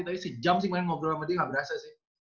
tapi sejam sih main ngobrol sama dia nggak berasa sih